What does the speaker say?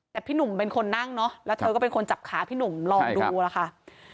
แต่พี่หนุ่มเป็นคนนั่งเนอะแล้วเธอก็เป็นคนจับขาพี่หนุ่มลองดูล่ะค่ะ